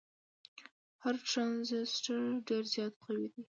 هر ټرانزیسټر ډیر زیات قوي دی.